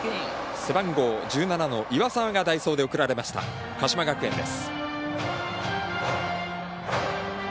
背番号１７の岩澤が代走で送られました、鹿島学園です。